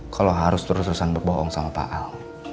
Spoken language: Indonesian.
kalau harus terus terusan berbohong sama pak al